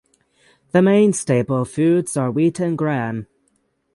The main staple foods are wheat and gram.